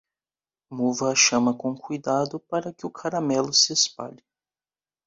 Mova a chama com cuidado para que o caramelo se espalhe.